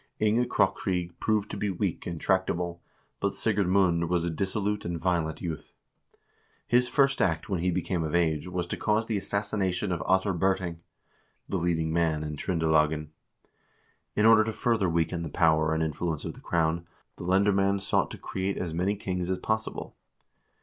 Inge Krokryg proved to be weak and tractable, but Sigurd Mund was a dissolute and violent youth. His first act when he became of age was to cause the assassination of Ottar Birting, the leading man in Tr0ndelagen. In order to further weaken the power and influence of the crown, the lendermaend sought to create as many kings as pos sible.